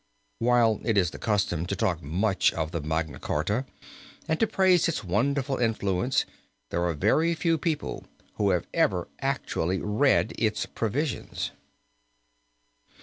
While it is the custom to talk much of Magna Charta and to praise its wonderful influence there are very few people who have ever actually read its provisions.